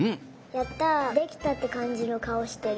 やったできたってかんじのかおしてる。